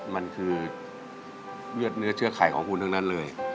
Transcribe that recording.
มันคือเลือดเนื้อเชื้อไขของคุณทั้งนั้นเลย